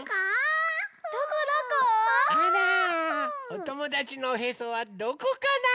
おともだちのおへそはどこかな？